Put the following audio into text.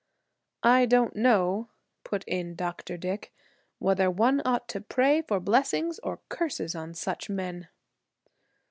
"I don't know," put in Dr. Dick, "whether one ought to pray for blessings or curses on such men."